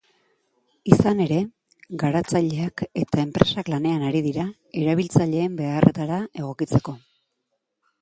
Izan ere, garatzaileak eta enpresak lanean ari dira, erabiltzaileen beharretara egokitzeko.